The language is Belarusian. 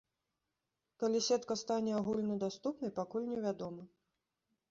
Калі сетка стане агульнадаступнай пакуль невядома.